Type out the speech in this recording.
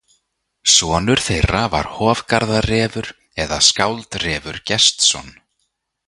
Sonur þeirra var Hofgarða-Refur eða Skáld-Refur Gestsson.